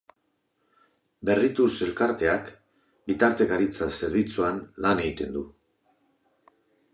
Berrituz elkarteak bitartekaritza zerbitzuan lan egiten du.